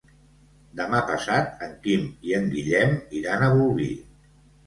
Demà passat en Quim i en Guillem iran a Bolvir.